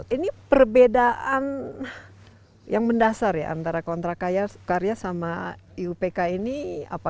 ini perbedaan yang mendasar ya antara kontrak karya sama iupk ini apa